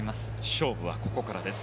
勝負はここからです。